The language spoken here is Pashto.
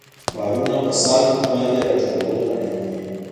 بارونه په سلب باندې راټولول اړین دي